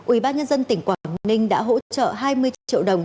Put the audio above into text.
ubnd tỉnh quảng ninh đã hỗ trợ hai mươi triệu đồng